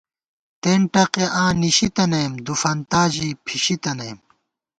تېن ٹقےآں نِشِی تَنَئیم ، دُوفنتا ژی پھِشِی تَنَئیم